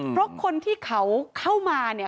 เพราะคนที่เขาเข้ามาเนี่ย